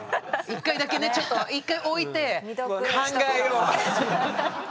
一回だけねちょっと一回置いて考えよう。